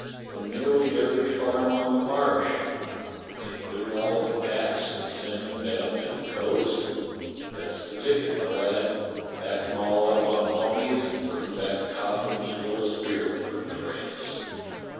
"From nearly every farm on the Marsh." "And they put it all in packs and send 'em down to the coast?" " That's the ticket, my lad. Pack 'em all up on ponies and bring back coffins full of spirit from France."